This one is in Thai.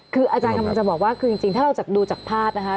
คืออาจารย์กำลังจะบอกว่าคือจริงถ้าเราดูจากภาพนะคะ